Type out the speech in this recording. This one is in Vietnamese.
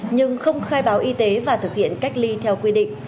nhưng không khai báo y tế và thực hiện cách ly theo quy định